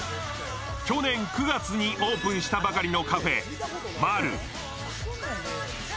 去年９月にオープンしたばかりのカフェ、マル。